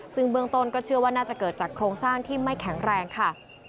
ซึ่งเบื้องต้นก็เชื่อว่าน่าจะเกิดจากโครงสร้างที่ไม่แข็งแรงค่ะ